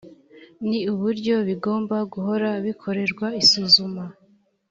ni uburyo bigomba guhora bikorerwa isuzuma